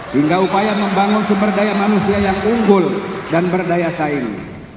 hingga upaya membangun sumber daya manusia yang unggul dan berdaya saing